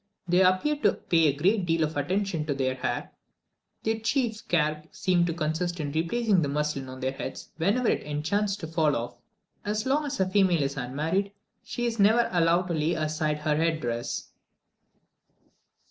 They appeared to pay a great deal of attention to their hair; their chief care seemed to consist in replacing the muslin on their heads, whenever it chanced to fall off. As long as a female is unmarried, she is never allowed to lay aside her head dress.